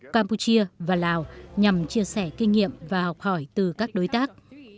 campuchia và lào nhằm chia sẻ kinh nghiệm và học hỏi từ các đối tác